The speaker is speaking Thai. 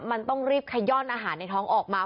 มันต้องรีบขย่อนอาหารในท้องออกมา